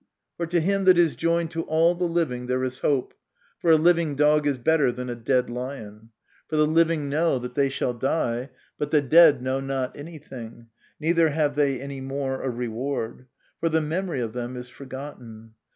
" For to him that is joined to all the living there is hope : for a living dog is better than a dead lion. For the living know that they shall die : but the dead know not anything, neither Have they any more a reward ; for the memory of them is forgotten.